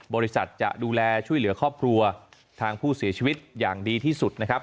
บริษัทจะดูแลช่วยเหลือครอบครัวทางผู้เสียชีวิตอย่างดีที่สุดนะครับ